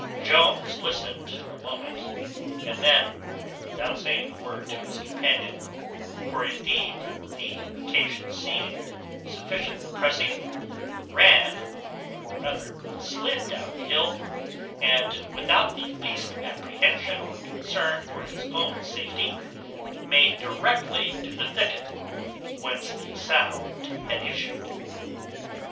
Jones listened a moment, and then, without saying a word to his companion (for indeed the occasion seemed sufficiently pressing), ran, or rather slid, down the hill, and, without the least apprehension or concern for his own safety, made directly to the thicket, whence the sound had issued.